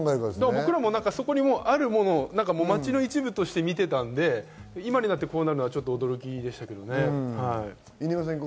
僕らもそこにあるもの、街の一部として見ていたので、今となってこうなるのは驚きでしたね。